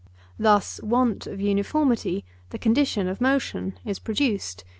Thus want of uniformity, the condition of motion, is produced.